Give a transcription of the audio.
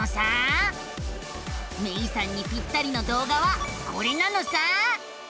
めいさんにぴったりの動画はこれなのさ。